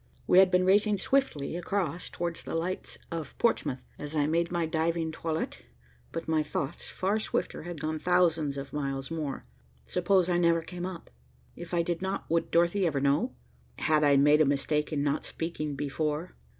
We had been racing swiftly across, towards the lights of Portsmouth, as I made my diving toilet, but my thoughts, far swifter, had gone thousands of miles more. Suppose I never came up? If I did not, would Dorothy ever know? Had I made a mistake in not speaking before?